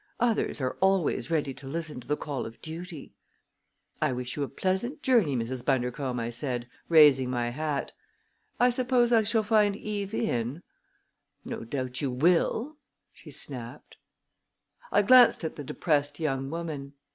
Others are always ready to listen to the call of duty." "I wish you a pleasant journey, Mrs. Bundercombe," I said, raising my hat. "I suppose I shall find Eve in?" "No doubt you will!" she snapped. I glanced at the depressed young woman.